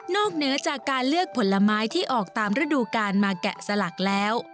เหนือจากการเลือกผลไม้ที่ออกตามฤดูการมาแกะสลักแล้ว